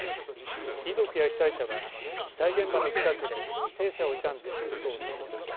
遺族や被災者は被災現場の近くで犠牲者を悼んで黙とうをささげました。